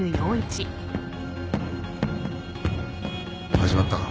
・始まったか。